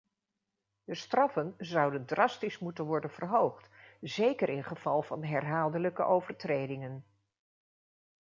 De straffen zouden drastisch moeten worden verhoogd, zeker in geval van herhaaldelijke overtredingen.